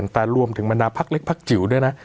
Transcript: แต่รวมถึงบรรดาพักเล็กพักจิ๋วด้วยนะ